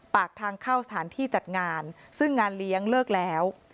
ปากทางเข้าสถานที่จัดงานซึ่งงานเลี้ยงเลิกแล้ว